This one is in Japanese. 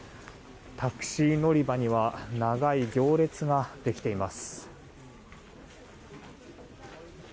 タクシー乗り場には長い行列ができています。